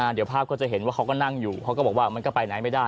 เดี๋ยวภาพก็จะเห็นว่าเขาก็นั่งอยู่เขาก็บอกว่ามันก็ไปไหนไม่ได้